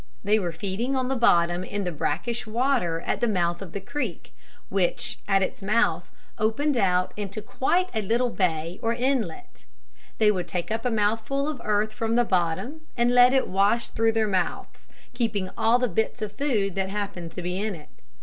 They were feeding on the bottom in the brackish water at the mouth of the creek, which at its mouth opened out into quite a little bay or inlet. They would take up a mouthful of earth from the bottom and let it wash through their mouths, keeping all the bits of food that happened to be in it.